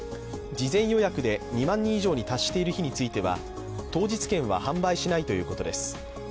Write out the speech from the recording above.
事前予約で２万人以上に達している日については当日券は販売しないということです。